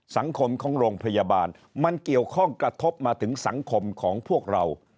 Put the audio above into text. สังคมของโรงพยาบาลมันเกี่ยวข้องกระทบมาถึงสังคมของพวกเรา